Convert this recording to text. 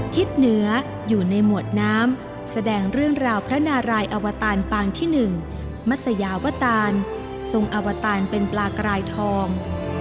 ทิศเหนืออยู่ในหมวดน้ำแสดงเรื่องราวพระนารายอวตารปางที่๑มัศยาวตานทรงอวตารเป็นปลากรายทอง